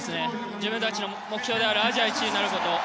自分たちの目標であるアジア１位になること。